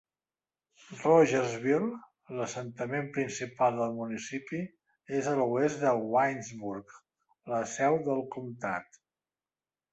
Rogersville, l'assentament principal del municipi, és a l'oest de Waynesburg, la seu del comtat.